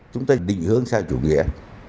chúng ta định hướng sang chủ nghĩa